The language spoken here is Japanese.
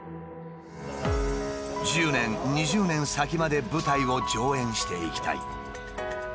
１０年２０年先まで舞台を上演していきたい。